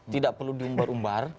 tidak perlu diumbar umum